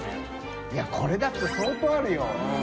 いやこれだって相当あるよ。